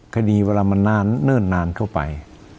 คดีเวลามันนานเนิ่นนานเข้าไป